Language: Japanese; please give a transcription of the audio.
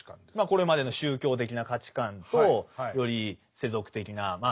これまでの宗教的な価値観とより世俗的なまあ